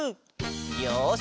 よし！